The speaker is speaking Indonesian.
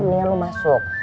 mendingan lo masuk